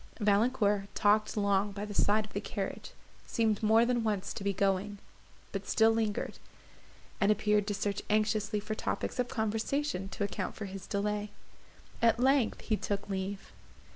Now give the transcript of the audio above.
Valancourt talked long by the side of the carriage; seemed more than once to be going, but still lingered, and appeared to search anxiously for topics of conversation to account for his delay. At length he took leave.